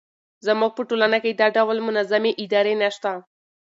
زموږ په ټولنه کې دا ډول منظمې ادارې نه شته.